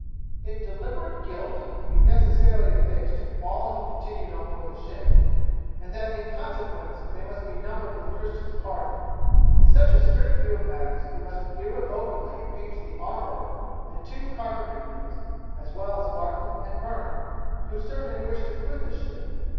'If deliberate guilt be necessarily affixed to all who continued on board the ship, and that in consequence they must be numbered with Christian's party in such a strict view of matters it must irrevocably impeach the armourer and two carpenter's mates, as well as Martin and Byrne, who certainly wished to quit the ship.